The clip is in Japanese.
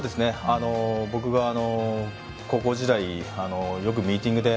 僕が高校時代よくミーティングで